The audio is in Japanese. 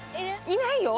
いない。